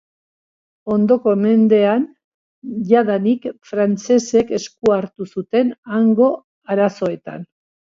Ondoko mendean jadanik frantsesek esku hartu zuten hango arazoetan.